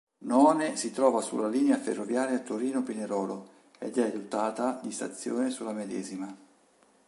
None si trova sulla linea ferroviaria Torino-Pinerolo ed è dotata di stazione sulla medesima.